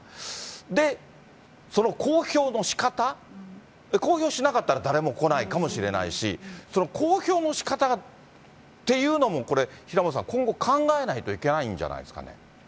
で、その公表のしかた、公表しなかったら誰も来ないかもしれないし、その公表のしかたっていうのもこれ、平本さん、今後考えないといけないんじゃないですかね。